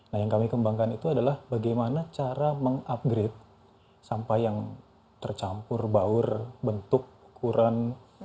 nah yang kami kembangkan itu adalah bagaimana cara mengupgrade sampah yang tercampur baur bentuk ukuran